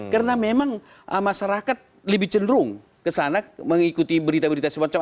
karena memang masyarakat lebih cenderung kesana mengikuti berita berita semacam